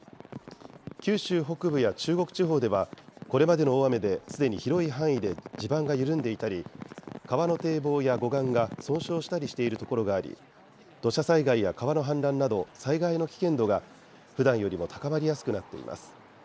九州北部や中国地方ではこれまでの大雨で、すでに広い範囲で地盤が緩んでいたり川の堤防や護岸が損傷したりしている所があり、土砂災害や川の氾濫など、災害の危険度がふだんよりも高まりやすくなっています。